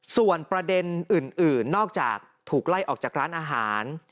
ส่วนประเด็นอื่นนอกจากถูกไล่ออกจากร้านอาหาร